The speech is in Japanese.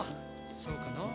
そうかのう。